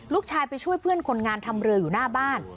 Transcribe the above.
ลูกชายไปช่วยเพื่อนคนงานทำเรืออยู่หน้าบ้าน